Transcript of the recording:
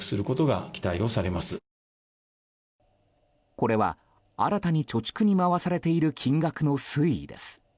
これは新たに貯蓄に回されている金額の推移です。